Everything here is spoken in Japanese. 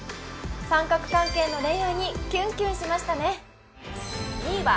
三角関係の恋愛にキュンキュンしましたね